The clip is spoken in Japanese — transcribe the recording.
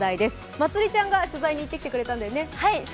まつりちゃんが取材に行ってきてくれたんだよね。